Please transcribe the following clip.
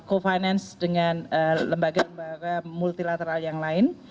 co finance dengan lembaga lembaga multilateral yang lain